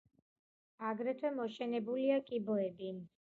აგრეთვე მოშენებულია კიბოები.